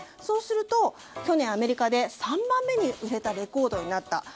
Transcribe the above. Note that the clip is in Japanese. そうすると、去年アメリカで３番目に売れたレコードになった。